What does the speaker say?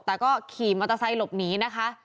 แต่ก็ขี่มอเตอร์ไซค์หลบหนีนะคะ